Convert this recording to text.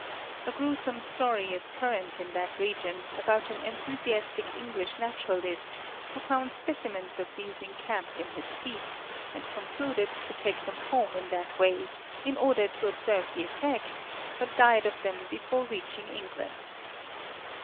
A gruesome story is current in that region, about an enthusiastic English naturalist, who found specimens of these encamped in his feet, and concluded to take them home in that way, in order to observe the effect, but died of them before reach ing England.